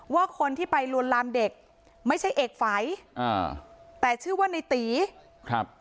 ว่าคนที่ไปลวนลามเด็กไม่ใช่เอกฝัยอ่าแต่ชื่อว่าในตีครับ